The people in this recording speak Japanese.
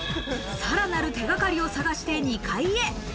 さらなる手がかりを探して２階へ。